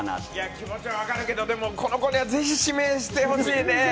気持ちは分かるけど、この子はぜひ指名してほしいね。